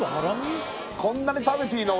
こんなに食べていいの？